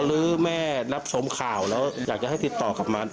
พ่อหรือแม่นับสมข่าวแล้วอยากให้ติดต่อกับมัน